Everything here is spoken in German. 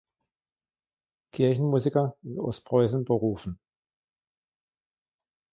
Kirchenmusiker in Ostpreußen berufen.